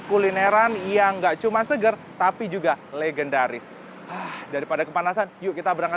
kulineran yang enggak cuma seger tapi juga legendaris daripada kepanasan yuk kita berangkat